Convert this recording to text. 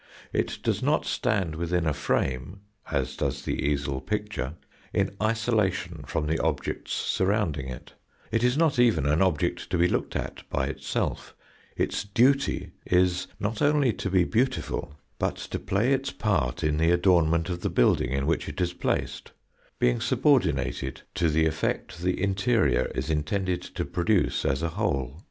It does not stand within a frame, as does the easel picture, in isolation from the objects surrounding it; it is not even an object to be looked at by itself; its duty is, not only to be beautiful, but to play its part in the adornment of the building in which it is placed, being subordinated to the effect the interior is intended to produce as a whole.